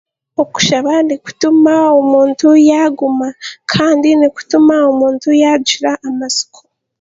Okushaba nikutuma omuntu yaaguma kandi nikutuma omuntu yaagira amatsiko.